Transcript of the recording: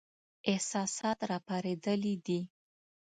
احساسات را پارېدلي دي.